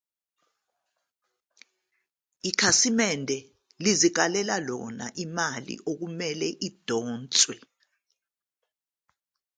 Ikhasimende lizikalela lona imali okumele idonswe.